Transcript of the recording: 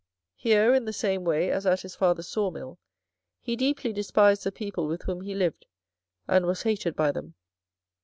Here in the same way as at his father's saw mill, he deeply despised the people with whom he lived, and was hated by them.